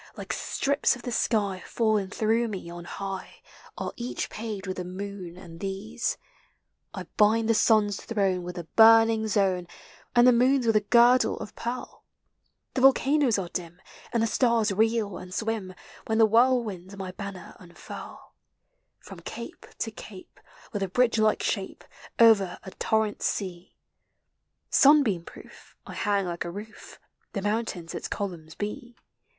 Like strips of the sky fallen through me on high, Are each paved with the moon and these. THE SEASONS. 135 I bind the sun's throne with a burning zone, And the moon's with a girdle of pearl ; The volcanoes are dim, and the stars reel and swim, When the whirlwinds my banner unfurl. From cape to cape, with a bridge like shape, Over a torrent sea, Sunbeam proof, I hang like a roof, The mountains its columns be.